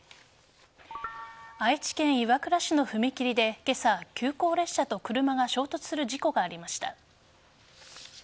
愛知県岩倉市の踏切で今朝急行列車と車が衝突する事故がありました。